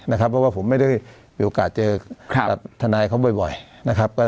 เพราะว่าผมไม่ได้มีโอกาสเจอทนายครับเขาบ่อย